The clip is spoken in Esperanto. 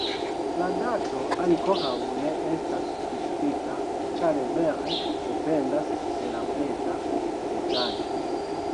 La dato ankoraŭ ne estas fiksita ĉar vere dependas de la beta testado